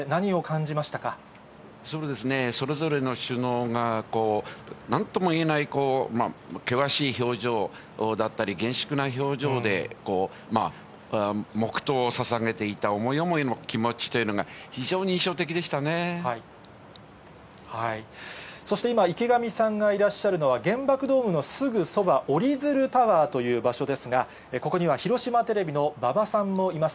そうですね、それぞれの首脳が、なんとも言えない険しい表情だったり、厳粛な表情で、こう、黙とうをささげていた、思い思いの気持ちというのが、非常に印象そして今、池上さんがいらっしゃるのは、原爆ドームのすぐそば、おりづるタワーという場所ですが、ここには、広島テレビの馬場さんもいます。